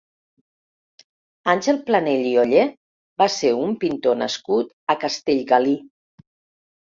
Àngel Planell i Oller va ser un pintor nascut a Castellgalí.